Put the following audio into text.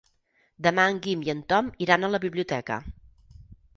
Demà en Guim i en Tom iran a la biblioteca.